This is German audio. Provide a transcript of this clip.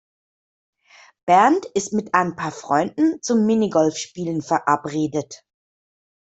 Bernd ist mit ein paar Freunden zum Minigolfspielen verabredet.